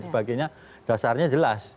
sebagainya dasarnya jelas